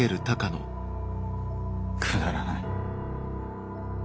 くだらない。